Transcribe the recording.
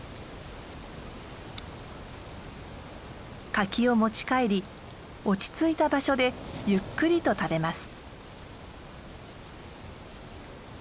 柿を持ち帰り落ち着いた場所でゆっくりと食べます。